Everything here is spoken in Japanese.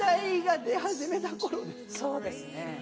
そうですね。